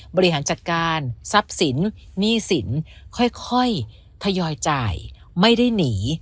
บริหารจัดการทรัพย์สินหนี้สินค่อยทยอยจ่ายไม่ได้หนี